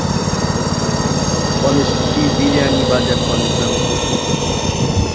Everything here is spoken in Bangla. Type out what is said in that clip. কলেজটি "বিয়ানীবাজার কলেজ" নামে পরিচিত।